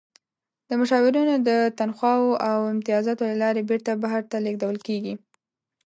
د مشاورینو د تنخواوو او امتیازاتو له لارې بیرته بهر ته لیږدول کیږي.